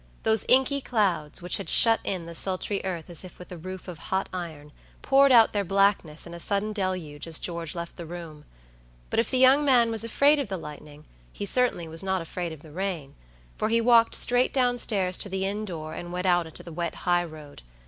Those inky clouds, which had shut in the sultry earth as if with a roof of hot iron, poured out their blackness in a sudden deluge as George left the room; but if the young man was afraid of the lightning, he certainly was not afraid of the rain; for he walked straight down stairs to the inn door, and went out into the wet high road.